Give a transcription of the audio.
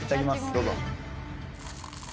どうぞ。